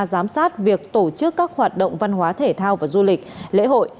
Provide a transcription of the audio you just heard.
giám sát việc tổ chức các hoạt động văn hóa thể thao và du lịch lễ hội